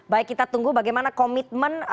baik kita tunggu bagaimana komitmen